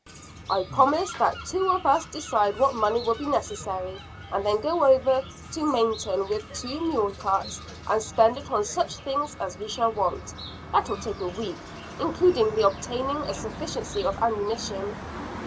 "I propose that two of us decide what money will be necessary, and then go over to Mainton with two mule carts and spend it on such things as we shall want. That will take a week, including the obtaining a sufficiency of ammunition."